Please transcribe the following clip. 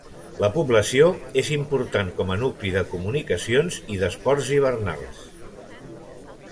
La població és important com a nucli de comunicacions i d'esports hivernals.